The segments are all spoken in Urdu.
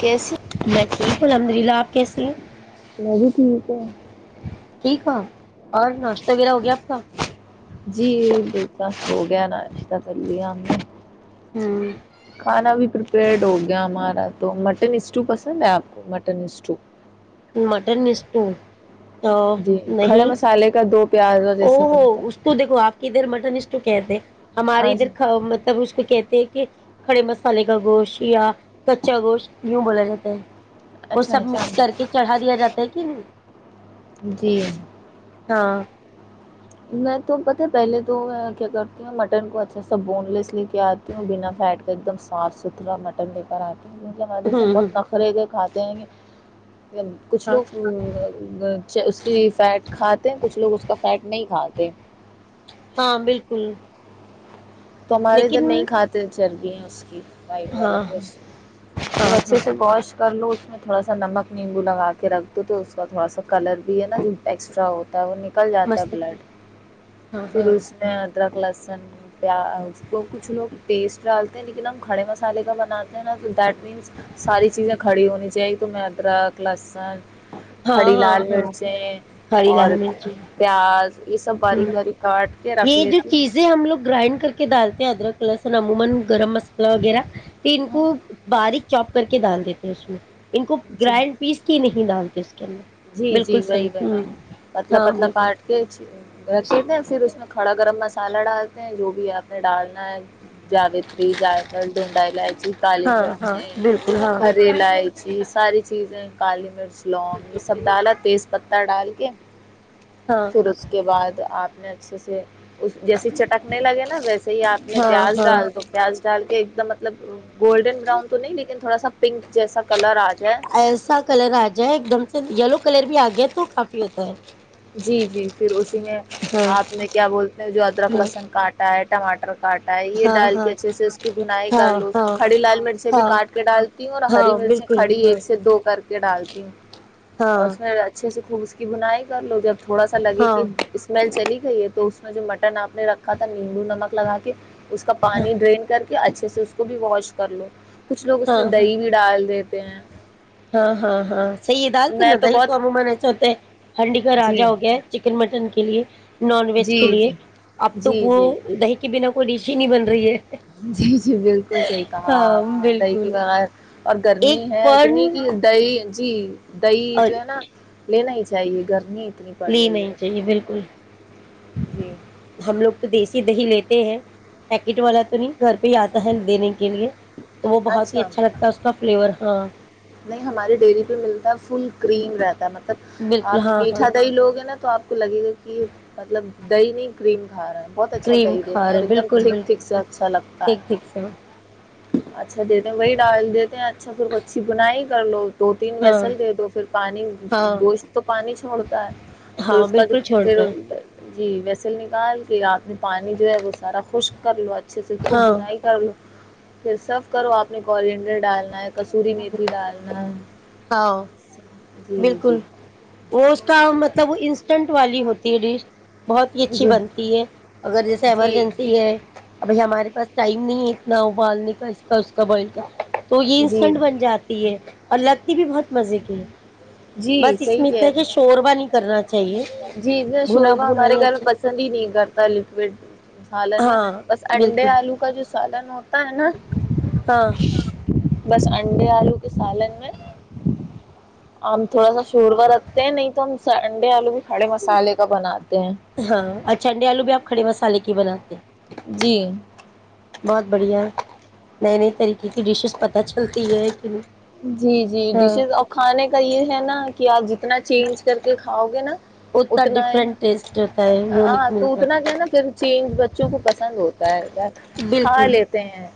کی سی میں ٹھیک ہوں الحمد للہ آپ کیسے ہیں میں بھی ٹھیک ہے ٹیک اور ناشتہ وغیرہ ہو گیا آپ کا جی بت ہوو گیا نا کر لیا ہوں کھانا بھی پر [unintelligible] ڈ ہو گیا ہمارا تو مٹن اسٹو پسند ہے آپ کو مٹن اسٹو مٹنسٹو جی کھڑے مسالے کا دو پیاز اور او جیسا ہوو بنتا اس تو دیکھو آپ کے ادھر مٹن اس تو کہہتے ہے ہمارے ادھر اچھا مطلب اس کو کہتے کہ کھڑے مسال کا گوشت یا کچا گوشت وں بولا جاتا ہے وہ اچھا سب اچھا مکس کر کے چڑھا دیا جاتا ہے کہ نہیں جی ہاں میں تو پتا [unintelligible] پہلے تو کیا کرتی ہوں مٹن کو اچھا سا بون لیس لے کے آتی ہوں بنا فیٹ کے ایک دم صاف ستھرا مٹن لے کر آتی ہ م نے سےب ہوں بہت ہ نخرے تھے کھات [unintelligible] تین کچھ ہاں لوگ اس کی فیٹ کھاتے ہیں کچھ لوگ اس کا فیٹ کھاتاتے ہاں بالکل تو ہمارے ادھر لیکن نہیں کھاتے چل یہ اس کی وائٹ ہاں والا ہاں کوش اور ہاں اچھے ہاں سے پاش کر لو اس میں تھوڑا سا نمک نیبو لگا کے رکھ دو تو ا اس کا تھوڑا سا کلر بھی ہے نا جو ایکسٹرا ہوتا ہے وہ نکل جاتا مست بلڈ ہاں پھر ہاں اس میں ادرا کلاس سر پ اس کو کچھ لوگ ٹیسٹ ڈالتے ہیں لیکن ہم کھڑے مسالے کا بناتے ہیں نا تو دیٹ مینس ساری چیزیں کھڑی ہونی چاہیے تو میں ادرک لہسن ہاں کھڑی ہاں لال ہاں مرچیں ہری اور لال مرچی پیاز یہ سب باریک ہوں بار کاٹ کے رکھ یہ جو لیتی ہو چیزیں ہم لوگ گرائنڈ کر کے ڈالتے ہیں ادرک لہسن عموما گرم گرم ان ہوں کو باریک چوپ کر کے ڈال دیتے ہیں اس میں ان کو جی گرانڈ پیس کی نہیں ڈال کے جی اندر بالکل جی صحیح وہی ہے ہوں پتلا ہاں پتلا بالکل کاٹ کے رکھے تھے پھر اس میں کڑا گرم مسالہ ا ڈالتے ہیں جو بھی آپ نے ڈالنا ہے جاوتری جائےفل ڈونڈائی لائچ کاال ہاں مرچ ہاں بالکل ہاں ہری لائےچ ساری چیزیں کالی گ لانگ پ تیز پتہ ڈال کے ہاں پھر اس کے بعد آپ نے سے سے جیسے چٹکنے لگے نا ویسے ہی آپ نے ہاں پیاز ہاں ڈال تو پیاز ڈال کے مطلب گولڈن براؤن تو نہیں لیکن تھوڑا سا پنک جیسا کلر آ ج ایسا کلر آ جائے ایک دم سے یلو کلر بھی آ گیا ہے تو کافی ہوتا ہے جی جی پھر اسی میں آپ ہاں نے کیا بولتے ہیں جو ادرک لہسن کاٹا ہے مٹ کاٹا ہے یہ ہاں ڈال کے ہاں اچھے سے اس کی بنائی کر ہاں لو اس ہاں ہاں کڑی لال مرچ بھی ہاں کاٹ کے ڈالتی ہوں اور ہری ہاں مرچ بالکل کڑی ہاں ایک سے دو کر کے ڈالتی ہوں ہاں اور اس میں اچھے سے خب بونائ کر لو جب تھوڑا سا لگے ہاں کہ اسمیل چلی گئی ہے تو اس میں جو مٹن آپ نے رکھا تھا نیمبو نمک لگا کے اس کا پانی ڈرین کر کہ اچھے سے اس کو بھی واش کر لو کچھ لوگ اس ہاں میں ہاں دہی بھی ڈال دیتے ہیں ہاں ہاں ہاں سی دال تھی میں نا دہی تو بہت ہم م نے چوتے ہانڈی کا جی راجا ہو گیا چکن مٹن کے لیے نان ویج جی کے لیے جی اب تو جی وہ جی دہی کے بنا کو ڈیچی نہیں بن رہی ہے جی جی بالکل صحیح کہ ہاں نے دہی کے بالکل ب اور ایک گرمی ہے پن اتنی کہ دئی جی دہی اور جو ہے نا لینا ہی چاہیے گھرمی نہیں نہیں چاہیے بالکل جی ہم لوگ تو دیسی دہی لیتے ہیں پیکٹ والا تو نہیں گھر پہ ہی آتا ہے دینے کے لیے تو وہ بہت ہی اچھا لگتا ہے اس کا فلیور ہ نہیں ہماراری ڈیری پہ ملتا ہے فل گن رہتا مطلب بالکل آپ ہاں ہاں میٹھا دا ہی لوگ ہیں نا تو آپ کو لگے گا کہ مطلب دی نہیں کریم رہا بہت اچھا کریم دہی دیتے کھا ہیں رہے اور ایک دم بالکل ٹھیک بالکل ٹھیک سے اچھا لگتا ٹھیک ہے ٹھیک سر اچھا دیتے ہیں وہی ڈال دیتے ہیں اچھا پھرچ بنائی کر لوگ دو تین ہاں ویسل دے دو پھر پانی ہاں گوشت تو پانی چھوڑتا ہے پھر ہاں اس کا جو بالکل پھر چھوڑتا ہے جی ویسل نکال کے آ پانی جو ہے وہ سارا خشک کر لو اچھے سے خوب ہاں بنائی کر لو پھر سب کرو آپ نے کلڈر ڈالنا ہے کسوری می ڈالنا ہاں جی جی بالکل وہ تو مطلب انسٹنٹ والی ہوتی ہے ڈش بہت ہی اچھی جی بنتی ہے اگر جیسے جی ایمرجنسی ہے ابھی ہمارے بس ٹائم نہیں ہے اتنا ابالنے کا اس کا اس کا بوائل کیا تو یہ جی انسٹنٹ بن جاتی ہے الگ ٹی بھی بہت مزے کی ہے جی بس اس صحیح کہہ میںت کہ رہے شور بنی کرنا چاہیے جی میں بھنا شورما بھنا ہمارے ہی گھر میں اچھا پسند ہی نہیں کرتا لکوڈ سالن میں ہاں بس انڈے بالکل آلو کا جو سالن ہوتا ہے نا ہاں بس انڈے آلو کے سالن میں آم تھوڑا سا شوروا رکھتے ہیں نہیں تو ہم انڈے آلو کھڑے مسالے کا بنا ہاں اور چھنڈے آلو بھی آپ کڑے مسالے کے کی ب لاتتے جی بہت بڑھیا نئے نئے طریقے کی ڈشیز پتہ چلتی ہے کہ جی جی ہاں ڈشز اور کھانے کا یہ ہے نا کہ آپ جتنا چینج کر کے کھاؤ گے نا اتنا ڈفرنٹ ٹیسٹ ہوتا ہے ہاں یونک تو ملتا اتنا کیا نا پھر چینج بچوں کو پسند ہوتا ہے کھا بالکل لیتے ہیں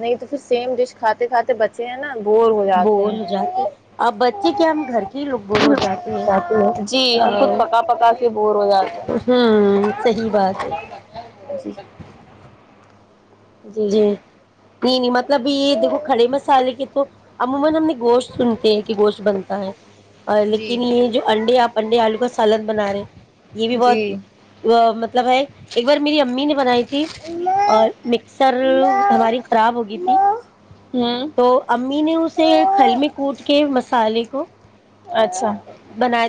نہیں تو پھر سیم ڈش کھاتے کھاتے بچے ہیں نا بور ہو جاتے بور ہو ہیں جاتے آپ بچے کیا ہم گھر کے ہی لوگ بور ہو جاتے ہیں جی ہم خود ا پکا پکا کے بور ہو جاتے ہیں ہ صحی بات ہے جی اپنی مطلب یہ دیکھو کھڑے مصالحے کے تو عموما ہم نے گوشت سنتے ہیں کہ گوشت بنتا ہے جی لیکن یہ جو انڈے آپ اننڈے آلو کا سالد بنا رہے یہ بھی بہت جی جی ا مطب ل بائی ایک بار میری امی نے بنائی ت ٹ اور مک سر ہماری خراب ہوگی تھی ہوں تو امی نے اسے کھل میں کوٹ کے م فال کوو اچھا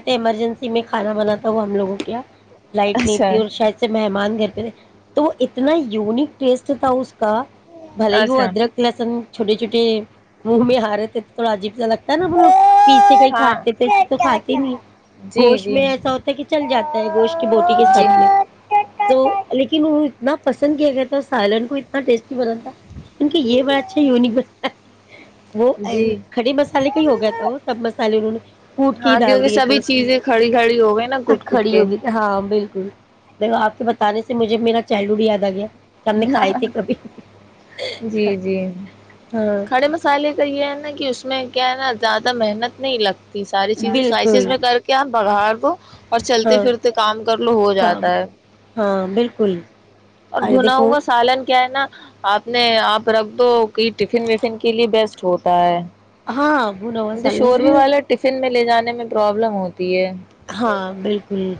ایمرجنسی میں کانا بناتا ہوں ہم لووں کے لائٹ نہیں اچھا تھی اور شاید سے مہمان گھر تو وہ اتنا یونک پلیس ف تھااؤ اس کا بلےگو اچھا ادر کلاسن چھوٹے چھوٹے منہ میں ہارے تھوڑاجیب زیادہ نا وہ لوگ پیسے کہیں ہاں کھاتے تھے ایسے تو کھاتے نہیں جی گوشت میں جی ایسا ہوتا ہے کہ چل جاتا ہے گوشت کی بوٹی کے جی ساتھ میں تو لیکن وہ اتنا پسند کیا گیا تھا سائلن کو اتنا ٹیس تھا ان یہ بڑا اچھا ی نہیں بن وہ جی کھڑے مسالے کا ہی ہو گیا تھا وہ سب مسالے انہوں نے کوٹ کے ہی ہاں ڈال کیونکہ دیے تھے سبھی اس چیزیں کھڑی کھڑی ہو گئی نا میں کٹ کٹ کھڑی کے ہو گئی ت ہاں بالکل آپ کے ب بان سےجھے میرا چائلڈ ہوڈ یاد آیا جی جی ہاں کھڑے مسالے کا یہ ہے نا کہ اس اس میں کیا ہے نا زیادہ محنت نہیں لگتی یہ ساری چیزیں بالکل سلائسیز میں کر کے آپ پاہاار کو اور چلتے ہاں پھرتے کام کر لو ہو کام جاتا ہے ہاں بالکل اور ارے بھنا دیکھو ہوا سالن کیا ہے نا آپ نے آپ رکھ دو کہ ٹفن وفن کے لیے بیسٹ ہوتا ہے ہاں اب نو چلے م ل جانے میں پرابلم ہوتی ہے ہاں بالکل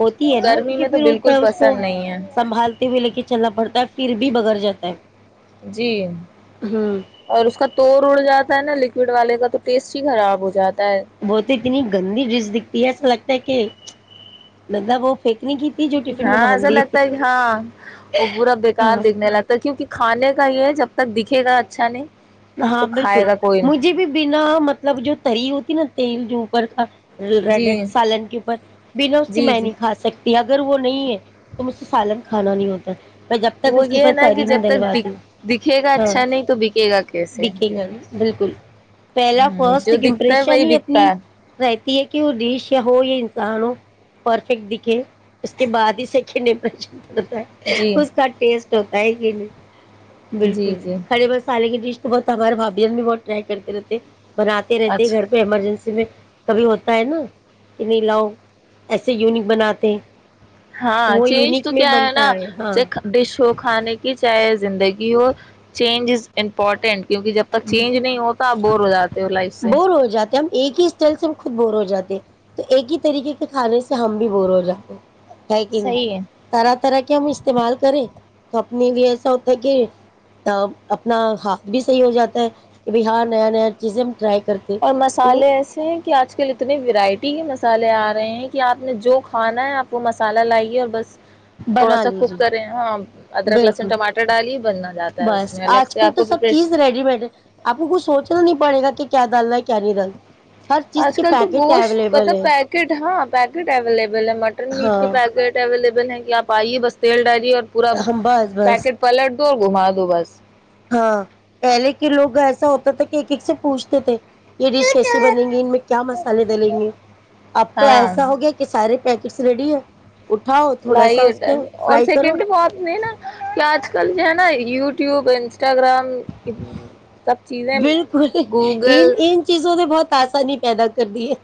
ہوتی ہے نا گرمی کیونکہ میں تو پھر ہوتا بالکل ہے اس کو پسند نہیں ہے سنبھالتے ہوئے لے کے چلنا پڑتا ہے پھر بھی بغیر جاتا ہے جی ہوں اور اس کا توور اڑ جاتا ہے نا ل ٹ والے کا تو ٹیسٹ ہی خراب ہو جاتا ہے بہت اتنی گندی ڈش دکھتی ہے ایسا لگتا ہے کہ لگہ وہ پھینکنی کی تھی جو ٹفن میں ہاں ایسا باندھی لگتا ہے کہ ہاں وہ با بےیکار ہاں دکھنے لگتا ہے کیونکہ کھانے کا یہ ہے جب تک دکھے گا اچھا نہیں ہاں تو بالکل کھائے گا کوئی نہیں۔ مجھے بھی بنا مطلب جو تری ہوتی نا تیل جو بر کا جی ڈٹ سالن کے اوپر بنا اس کی جی میں جی نہیں کھا سکتی اگر وہ نہیں ہے تو مجھ سے سالن کھانا نہیں ہوتا میں جب تک وہ اس کے یہ ہے پاس نا کہ تری جب نہیں تک د ڈلواتی دکھے گا اچھا نہیں تو بکے گا ک دکیں گ بالکل پہلا ہ فرسٹ جو دکھتا ہے امپریشن وہی ہی بکتا اپنی ہے رہتی کہ وہ ڈش ہو یا انسان ہو پرفیکٹ دکھے اس کے بعد ہی سے کہنے جی اس کا ٹیسٹ ہوتا ہے گ لی [unintelligible] بالکل جی جی کھڑے مسالے کی ڈش تو بہت ہمارے بھاھی بھی بہت ٹرائی کرتے رہتے بناتے رہتے اچھا گھر پہ ایمرجنسی میں کبھی ہوتا ہے نا کہ نہیں لاؤ ایسے یونک بناتے ہاں تو وہ چینج تو یونک میں کیا ہے نا بنتا ہاں چکھ ڈش ہو کھانے کی چاہے زندگی و چینجز [unintelligible] امپورٹینٹ کیونکہ جب تک چینج نہیں ہوتا آپ بور ہو جاتے ہو لائف سے بور ہو جاتے ہم ایک ہی اسٹائل سے ہم خود بور ہو جاتے تو ایک ہی طریقے کے کھانے سے ہم بھی بور ہو جاتے ہیکگ صحیح ہے طرح طرح کی ہم استعمال کریں تو اپنے بھی ایسا ہوتا ہے ک اپنا ہاتھ بھی صحیح ہو جاتا ہے کہ بھائی ہاں نیا نیا چیزیں ٹرائی کرتے اور تو مسالے ایسے ہیں کہ آج کل اتنی ورائٹی ٹیین مسالحے آ رہے ہیں کہ آپ نے جو کھانا ہے آپ وہ مسالہ لائیے اور بس تھوڑا بنا سا کوک لیجیے کریں ہاں ادرک لہسن بالکل ٹماٹر ڈالیے بننا جاتا ہے اس بس میں الگ آج سے کل آپ تو کو سب پریپریش چیز ریڈی مڈ ہے آپ کو کچھ سوچنا نہیں پڑے گا کہ کیا دل ہے کیا نہیں دل آج کل تو بوشت پت پیکٹ ہاں بب [unintelligible] مٹن میٹ کے ہاں پیکٹ اویلیبل ہیں کہ آپ پائیے بس تل ڈائری اور پورا ہم بس بس پیکٹ پلٹ گھما دو بس ہاں پہلے کے لوگ ایسا ہوتا تھا کہ ایک ایک سے پوچھتے تھے یہ ڈش کیسی بن گی ان میں کیا مسالے دلیں گے اب تو ہاں ایسا ہو گیا کہ سارے پیکس ریڈی ہے اٹھاؤ تھوڑا سا اس لائیٹ کے اور فرائی کرو سیکنڈ بات میں نا کہ آج کل جو ہے نا یو ٹیوب انسٹ چیزیں بالکل ان گوگل ان چیزوں سے بہت آسانی پیدا کرنی ہے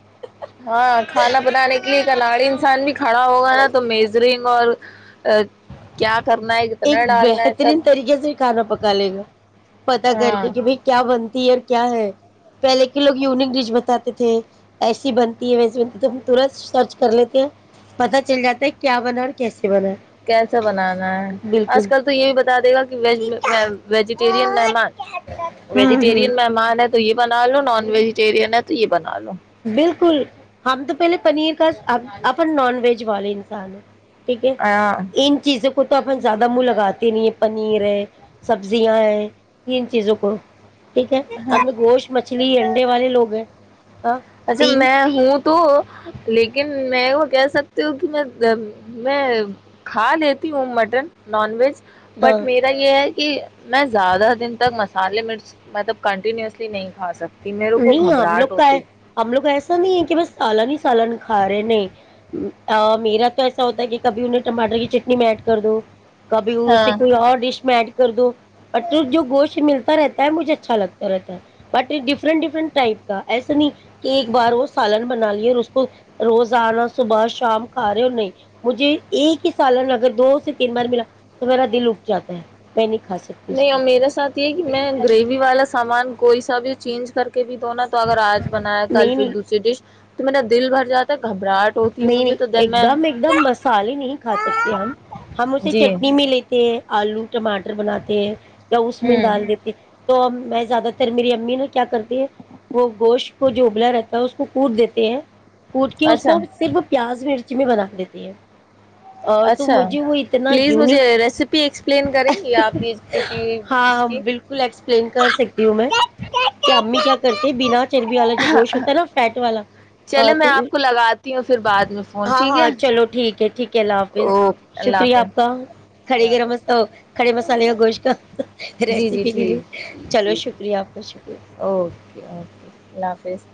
ہاں کھانا بنانے کے لیے کناڑی انسان بھی کھڑا ہوگا نا تو میزرنگ اور کیا کرنا ہے ایک کتنا ڈالنا ہے سب بہترین طریقے سے کھانا پکا لے گا پتا کر کے ہاں کہ بھائی کیا بنتی ہے اور کیا ہے پہلے کے لوگ یونک ڈش بتاتے تھے ایسی بنتی ہے ویسی بنتی تو ہم تورت سرچ کر لیتے ہیں پتا چل جاتا ہے کیا بنا ہے اور کیسے بنا ہے کیسا بنانا آج کل تو یہ بھی بتا دے گا کہ وج ویجیٹیرین نہیں ہوں ہوں ویجیٹیرین مہمان ہے تو یہ بنا لو نان ویجیٹیرین ہے تو یہ بنا لو بالکل ہم تو پہلے پنیر کا اپن نان ویج والے انسان ہیں ٹھیک ہے ہاں ان چیزوں کو خ تو اپن زیادہ منہ لگاتے نہیں ہے پنیر ہے سبزیاں ہے ان چیزوں کو ٹھیک ہے ہم گوشت مچھلی انڈے والے لوگ ہیں ہاں اچھا تین میں ہوں تو لیکن میں وہ کہہ سکتی ہوں کہ میں میں کھا لیتی ہوں مٹن نان ویج ہاں بٹ میرا یہ ہے کہ میں زیادہ دن تک مسلہ لب کن نہیں کھا سکتی میرے کو نہیں ہم لوگ گھبراہٹ کا ہوتی ہم لوگ ایسا نہیں ہے کہ بس سالن ہی سالن کھا رہے ن میرا تو ایسا ہوتا ہے کہ کبھی انہیں ٹماٹر کی چٹنی میں ایڈ کر دو کبھی ا س ہاں کوئی اور ڈش میں ایڈ کر دو اورٹ جو گوشت ملتا تا رہتا ہے مجھے اچھا لگتا رہتا ہے بٹ ڈفرنٹ ڈفرنٹ ٹائپ کا ایسا نہیں کہ ایک بار وہ سالن بنا لیا اور اس کو روز آنا صبح شام کھا رہے اور نہیں مجھے ایک ہی سالن اگر دو سے تین بار ملا تو میرا دل اٹھ جاتا ہے میں نے نہیں اور میرا ساتھ یہ کہ میں گریوی والا سامان کوئی ساب چینج کر کے بھی تو نا تو اگر آج بنایا کل نہیں پھر نہیں دوسری ڈش تو میرا دل بھر جاتا ہے گب نہیں نہیں ایک دم ایک دم مسالے نہیں کھا سکتے ہم ہم اسے جی چٹنی بھی لیتے ہیں آلو ٹماٹر پر بناتے ہیں اس میں ہوں ڈال دیتی تو میں زیادہ تر میری امی نا کیا کرتے ہیں وہ گوشت کو جو ابلا رہتا ہے اس کود دیتے ہیں اٹ کے اس اچھا کو پیاز مرچ بھی بنا دیتی ہے اور تو اچھا مجھے وہ اتنا پلیز مجھے یونک ریسیپی ایکسپلین کریں گی آپ کی اس کوٹی اس کی ہ میں کہ امی کیا کرتے بنا چربی والا جو گوشت ہوتا ہے نا فیٹ والا چلے میں تو آپ کو لگاتی ہوں پھر بعد میں فون ٹھیک ہے ھیک ک اللہ حافظ اوکے اللہ شکریہ حافظ آپ کا اللہ کھڑی گرم حافظ کھڑے مسالے کا گوشت کا جی جی ریسیپی کے لیے ٹھیک ٹھیک چلو ٹھیک شکریہ آپ کا شکریہ اوکے اوکے اللہ حافظ